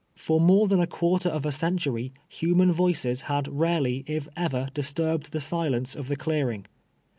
For more than a quarter of a century, hunum voices had rarely, if ever, disturbed the silence of the clearing.